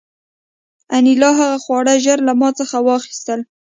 انیلا هغه خواړه ژر له ما څخه واخیستل